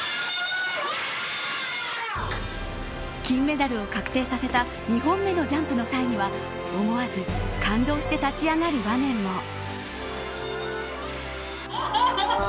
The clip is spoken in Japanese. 金メダルを確定させた２本目のジャンプの際には思わず感動して立ち上がる場面も。